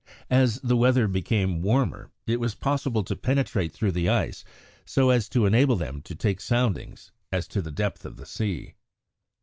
As the weather became warmer it was possible to penetrate through the ice so as to enable them to take soundings as to the depth of the sea.